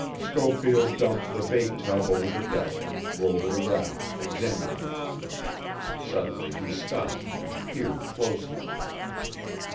Schofield dumped the bait tub over the deck and rolled it around, examining it. Suddenly he stopped and peered closely.